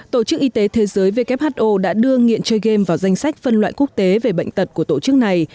tổ chức y tế thế giới who đã đưa nghiện chơi game vào danh sách phân loại quốc tế về bệnh tật của tổ chức này